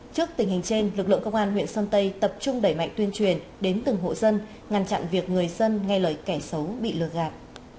trước tình hình trên lực lượng công an huyện sơn tây tập trung đẩy mạnh tuyên truyền đến từng hộ dân ngăn chặn việc người dân nghe lời kẻ xấu bị lừa gạt